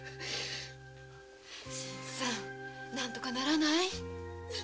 新さん何とかならない？